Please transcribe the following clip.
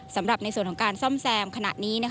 สำหรับในส่วนของการซ่อมแซมขณะนี้